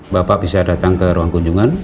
bapak bisa datang ke ruang kunjungan